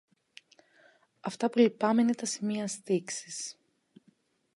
Αυτά που λυπάμαι είναι τα σημεία στίξης